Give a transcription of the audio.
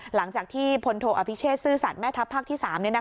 หลังจากที่พลโทอภิเชษซื่อสัตว์แม่ทัพภาคที่๓